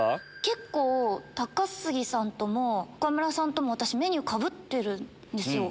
結構高杉さんとも岡村さんとも私メニューかぶってるんですよ。